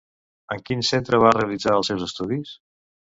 En quin centre va realitzar els seus estudis?